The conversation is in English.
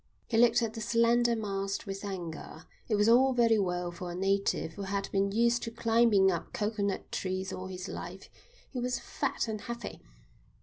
He looked at the slender mast with anger. It was all very well for a native who had been used to climbing up coconut trees all his life. He was fat and heavy.